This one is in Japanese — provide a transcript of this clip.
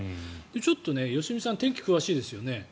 ちょっと良純さん天気、詳しいですよね。